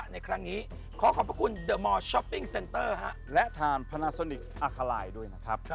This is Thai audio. นะครับและแน่นอนครับ